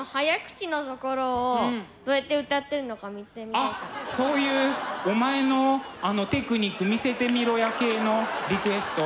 あっそういうお前のテクニック見せてみろや系のリクエスト？